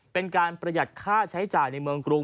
เป็นการประหยัดค่าใช้จ่ายในเมืองกรุง